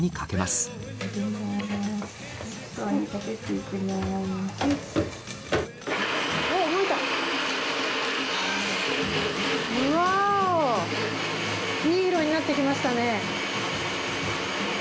いい色になってきましたね。